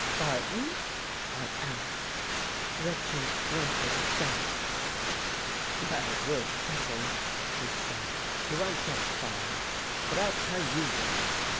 "Barton?" I asked. Richards grunted assent. "Well, we'll get him," he said. "He won't get far. But I'll tell you this."